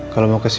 kalau mau kesini